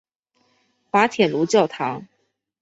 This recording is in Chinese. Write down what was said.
滑铁卢教堂。